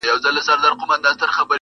سړي وویل کالیو ته مي ګوره-